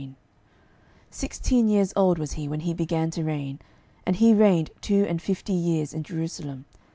12:015:002 Sixteen years old was he when he began to reign, and he reigned two and fifty years in Jerusalem.